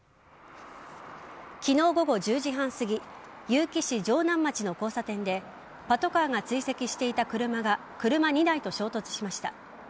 昨日午後１０時半すぎ結城市城南町の交差点でパトカーが追跡していた車が車２台と衝突しました。